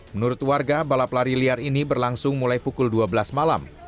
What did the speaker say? menurut warga balap lari liar ini berlangsung mulai pukul dua belas malam